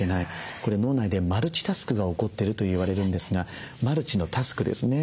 これ脳内でマルチタスクが起こってるといわれるんですがマルチのタスクですね。